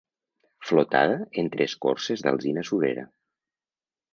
Flotada entre escorces d'alzina surera.